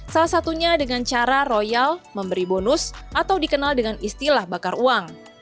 salah satunya dengan cara royal memberi bonus atau dikenal dengan istilah bakar uang